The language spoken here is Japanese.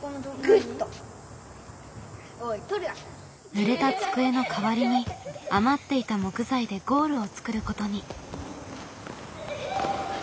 ぬれた机の代わりに余っていた木材でゴールを作ることに。